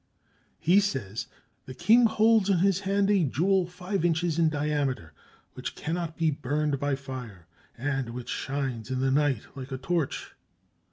He says: "The king holds in his hand a jewel five inches in diameter, which cannot be burned by fire, and which shines in the night like a torch."